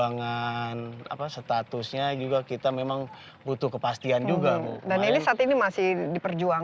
dan ini saat ini masih diperjuangkan